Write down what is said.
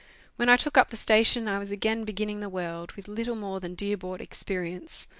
When I took up the station I was again beginning the world, with little more than dear bought experience.